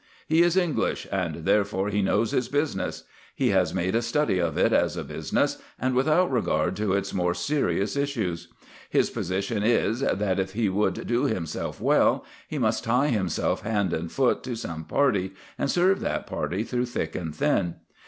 He is English, and therefore he knows his business. He has made a study of it as a business, and without regard to its more serious issues. His position is, that, if he would do himself well, he must tie himself hand and foot to some party, and serve that party through thick and thin.